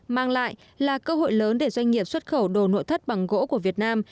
mang lại là cơ hội lớn để doanh nghiệp xuất khẩu đồ nội thất bằng gỗ của việt nam